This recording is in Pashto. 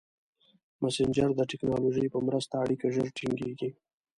مسېنجر د ټکنالوژۍ په مرسته اړیکه ژر ټینګېږي.